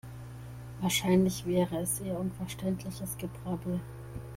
Wahrscheinlich wäre es eher unverständliches Gebrabbel.